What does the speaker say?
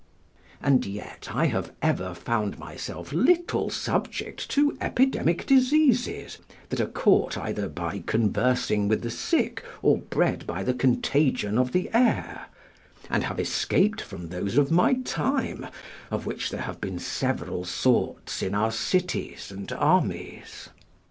And yet I have ever found myself little subject to epidemic diseases, that are caught, either by conversing with the sick or bred by the contagion of the air, and have escaped from those of my time, of which there have been several sorts in our cities and armies.